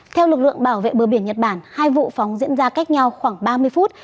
theo lực lượng bảo vệ bờ biển nhật bản hai vụ phóng diễn ra cách nhau khoảng ba mươi phút